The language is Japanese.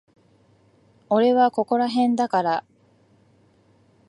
俺はここらへんだから。